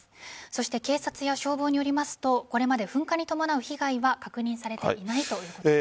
そして警察や消防によりますとこれまで噴火に伴う被害は確認されていないということです。